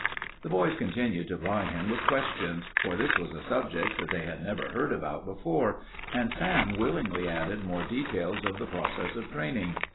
The boys continued to ply him with questions, for this was a subject that they had never heard about before, and Sam willingly added more details of the process of training.